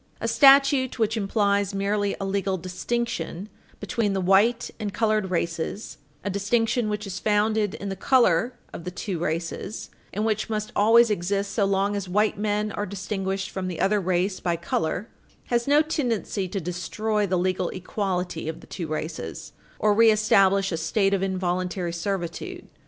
A statute which implies merely a legal distinction between the white and colored races a distinction which is founded in the color of the two races and which must always exist so long as white men are distinguished from the other race by color has no tendency to destroy the legal equality of the two races, or reestablish a state of involuntary servitude.